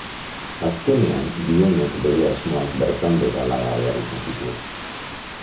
Azkenean, Dionek bere asmoak bertan behera laga behar izan zituen.